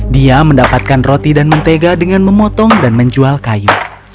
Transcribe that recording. dia mendapatkan roti dan mentega dengan memotong dan menjual kayu